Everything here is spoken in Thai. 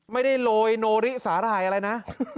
ไม่ได้โรยโนริสาหร่ายอะไรนะ